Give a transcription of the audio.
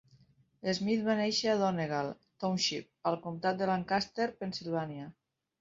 Smith va néixer a Donegal Township, al comtat de Lancaster, Pennsilvània.